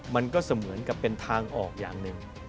มันก็เสมือนกับเป็นทางออกอย่างหนึ่ง